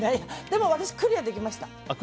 でも私、クリアできました。